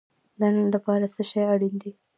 د نن لپاره څه شی اړین دی؟